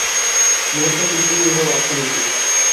মূলত কৃষি নির্ভর অর্থনীতি।